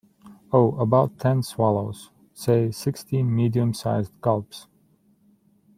Oh, about ten swallows; say sixteen medium-sized gulps.